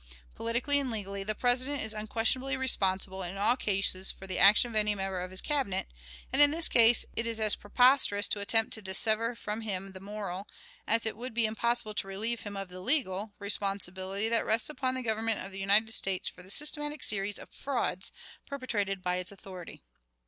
Politically and legally, the President is unquestionably responsible in all cases for the action of any member of his Cabinet, and in this case it is as preposterous to attempt to dissever from him the moral, as it would be impossible to relieve him of the legal, responsibility that rests upon the Government of the United States for the systematic series of frauds perpetrated by its authority.